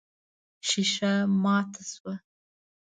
ښيښه ماته شوه.